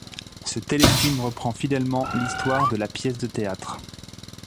Ce téléfilm reprend fidèlement l'histoire de la pièce de théâtre.